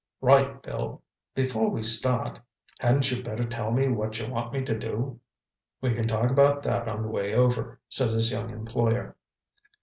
"Right, Bill. Before we start, hadn't you better tell me what you want me to do?" "We can talk about that on the way over," said his young employer.